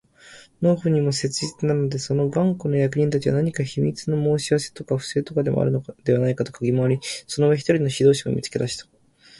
農夫にも痛切なので、その頑固な役人たちは何か秘密の申し合せとか不正とかでもあるのではないかとかぎ廻り、その上、一人の指導者を見つけ出した